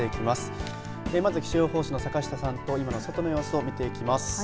まず、気象予報士の坂下さんと今の外の様子を見ていきます。